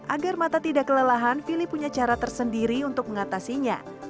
agar mata tidak kelelahan fili punya cara tersendiri untuk mengatasinya